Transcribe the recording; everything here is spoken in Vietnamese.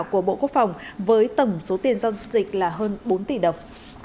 của bộ quốc phòng với tổng số tiền giao dịch là hơn bốn tỷ đồng